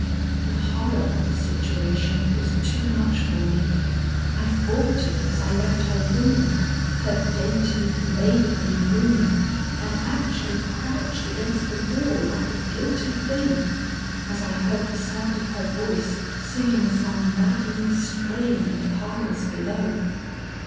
The horror of the situation was too much for me; I faltered as I left her room, her dainty, maidenly room, and actually crouched against the wall like a guilty thing, as I heard the sound of her voice singing some maddening strain in the parlors below.